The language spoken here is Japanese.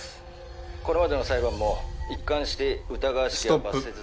「これまでの裁判も一貫して疑わしきは罰せず」